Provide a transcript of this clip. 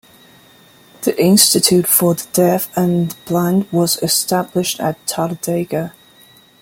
The Institute for the Deaf and Blind was established at Talladega.